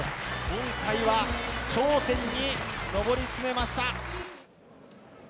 今回は頂点に上り詰めました。